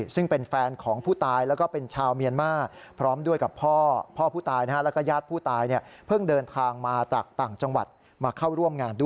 ซึ่งเป็นแฟนของผู้ตายแล้วก็เป็นชาวเมียนมาร์